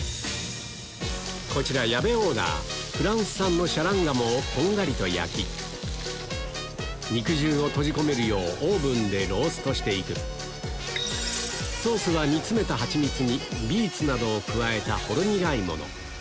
こちら矢部オーダーこんがりと焼き肉汁を閉じ込めるようオーブンでローストして行くソースは煮つめた蜂蜜にビーツなどを加えたほろ苦いもの